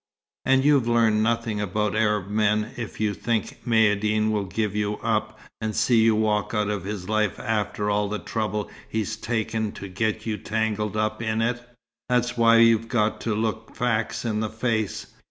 And you've learned nothing about Arab men if you think Maïeddine will give you up and see you walk out of his life after all the trouble he's taken to get you tangled up in it. That's why we've got to look facts in the face.